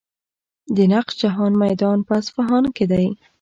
د نقش جهان میدان په اصفهان کې دی.